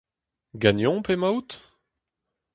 Ganeomp emaout ?